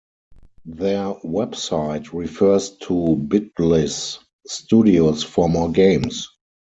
Their website refers to Bitbliss Studios for more games.